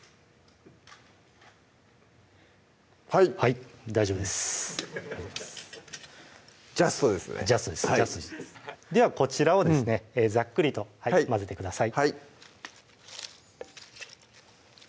はいはい大丈夫ですジャストですねジャストですではこちらをですねざっくりと混ぜてください